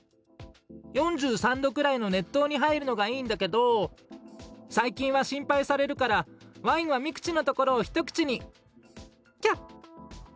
４３度くらいの熱湯に入るのがいいんだけど最近は心配されるからワインは三口のところを一口にキャッ！」。